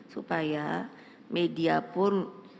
supaya media pun